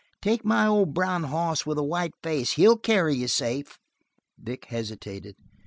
Take my old brown hoss with the white face. He'll carry you safe." Vic hesitated.